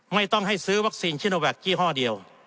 ไม่ต้องให้ซื้อวัคซีนชิโนแวคยี่ห้อเดียว